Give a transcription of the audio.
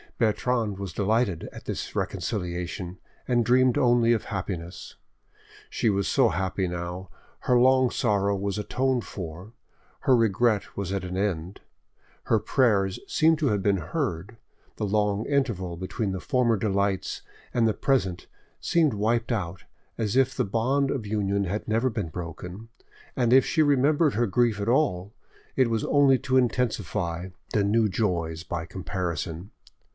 Bertrande was delighted at this reconciliation, and dreamed only of happiness. She was so happy now, her long sorrow was atoned for, her regret was at an end, her prayers seemed to have been heard, the long interval between the former delights and the present seemed wiped out as if the bond of union had never been broken, and if she remembered her grief at all, it was only to intensify the new joys by comparison.